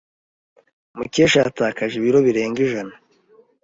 Mukesha yatakaje ibiro birenga ijana.